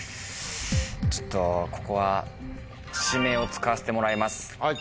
ちょっとここは。を使わせてもらいます。